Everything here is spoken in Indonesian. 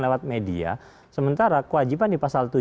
lewat media sementara kewajiban di pasal tujuh